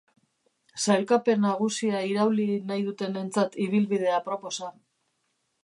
Sailkapen nagusia irauli nahi dutenentzat ibilbide aproposa.